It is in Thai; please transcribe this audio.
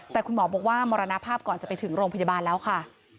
แต่คุณหมอบอกว่ามรณภาพก่อนจะไปถึงโรงพยาบาลแล้วค่ะ